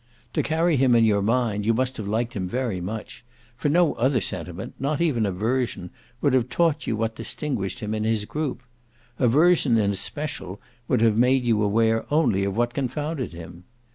To carry him in your mind you must have liked him very much, for no other sentiment, not even aversion, would have taught you what distinguished him in his group: aversion in especial would have made you aware only of what confounded him.